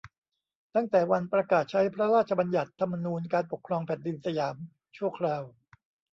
ตั้งแต่วันประกาศใช้พระราชบัญญัติธรรมนูญการปกครองแผ่นดินสยามชั่วคราว